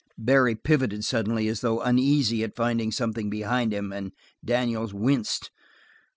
Barry pivoted suddenly as though uneasy at finding something behind him, and Daniels winced.